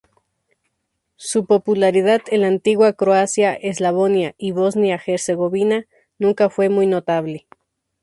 Su popularidad en la antigua Croacia-Eslavonia y Bosnia-Herzegovina nunca fue muy notable.